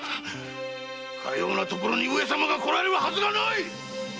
かようなところに上様が来られるはずがない！